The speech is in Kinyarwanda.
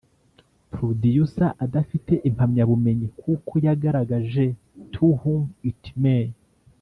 Producer adafite impamyabumenyi kuko yagaragaje To whom it may